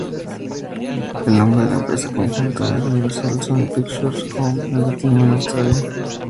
El nombre de la empresa conjunta es Universal Sony Pictures Home Entertainment Australia.